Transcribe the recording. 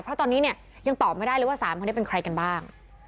เพราะตอนนี้เนี่ยยังตอบไม่ได้เลยว่า๓คนนี้เป็นใครกันบ้าง